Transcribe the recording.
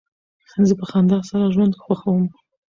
زه په خندا سره ژوند خوښوم.